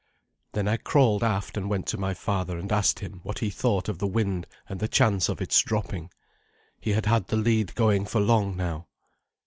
Then I crawled aft and went to my father and asked him what he thought of the wind and the chance of its dropping. He had had the lead going for long now.